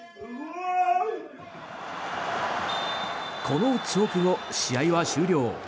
この直後、試合は終了。